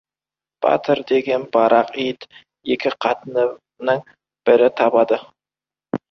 Батыр деген барақ ит, екі қатынның бірі табады.